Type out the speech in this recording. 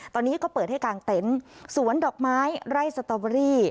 ตอนนี้ก็เปิดให้กางเต็นต์สวนดอกไม้ไร่สตอเบอรี่